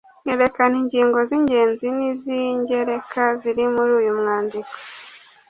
Erekana ingingo z’ingenzi n’iz’ingereka ziri muri uyu mwandiko